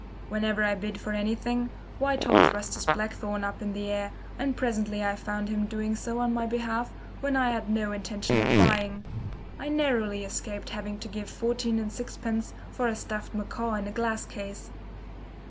Whenever I bid for anything, Whitehall thrust his black thorn up into the air, and presently I found him doing so on my behalf when I had no intention of buying. I narrowly escaped having to give fourteen and sixpence for a stuffed macaw in a glass case.